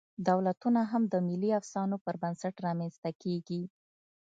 دولتونه هم د ملي افسانو پر بنسټ رامنځ ته کېږي.